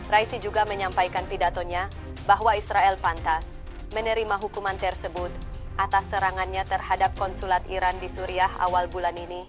rais juga menyampaikan pidatonya bahwa israel pantas menerima hukuman tersebut atas serangannya terhadap konsulat iran di suriah awal bulan ini